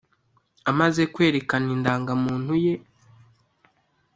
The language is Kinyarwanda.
Amaze kwerekana indangamuntu ye